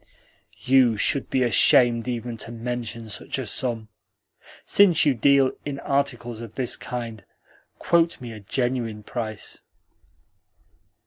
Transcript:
"You should be ashamed even to mention such a sum! Since you deal in articles of this kind, quote me a genuine price."